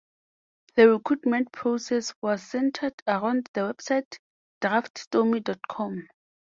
The recruitment process was centered around the website DraftStormy dot com.